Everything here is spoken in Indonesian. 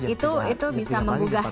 itu bisa membuka selarang